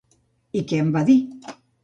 I què en va dir?